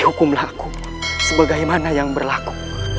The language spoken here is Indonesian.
hukumlah aku sebagaimana yang berlaku